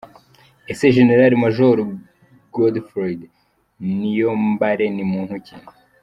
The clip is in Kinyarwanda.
Ese General Major Godefroid Niyombare ni muntu ki?.